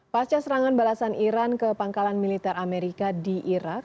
pasca serangan balasan iran ke pangkalan militer amerika di irak